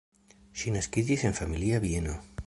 Ŝi naskiĝis en familia bieno.